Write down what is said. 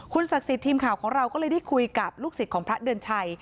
ศักดิ์สิทธิ์ทีมข่าวของเราก็เลยได้คุยกับลูกศิษย์ของพระเดือนชัย